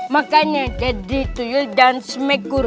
makanya jadi tuyul dan semekur